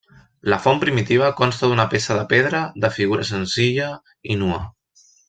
La font primitiva consta d'una peça de pedra, de figura senzilla i nua.